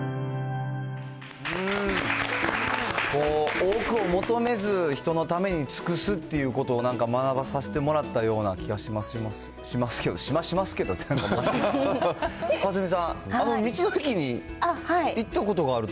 多くを求めず、人のために尽くすっていうことを、なんかまなばさせてもらったような気がしますけど、しましますけどって、川澄さん、行ったことがあると？